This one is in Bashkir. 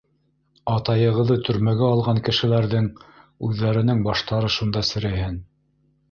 Атайығыҙҙы төрмәгә алған кешеләрҙең үҙҙәренең баштары шунда сереһен.